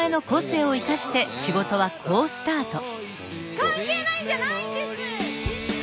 関係ないんじゃないんです！